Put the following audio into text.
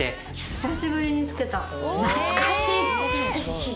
久しぶりにつけた懐かしい。